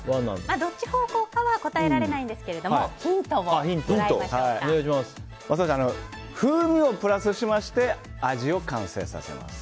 どっち方向かは答えられないんですが風味をプラスしまして味を完成させます。